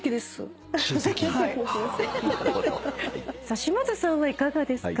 島津さんはいかがですか？